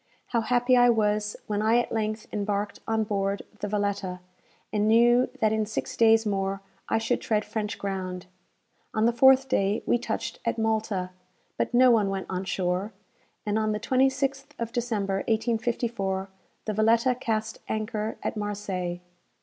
How happy I was when I at length embarked on board the "Valetta," and knew that in six days more I should tread French ground! On the fourth day, we touched at Malta, but no one went on shore; and on the 26th of December, 1854, the "Valetta" cast anchor at Marseilles.